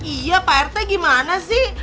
iya pak rt gimana sih